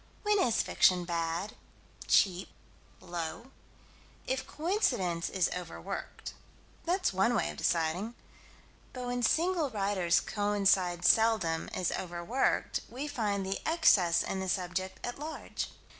When is fiction bad, cheap, low? If coincidence is overworked. That's one way of deciding. But with single writers coincidence seldom is overworked: we find the excess in the subject at large.